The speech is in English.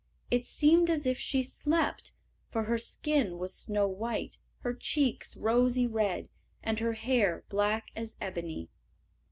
It seemed as if she slept; for her skin was snow white, her cheeks rosy red, and her hair black as ebony.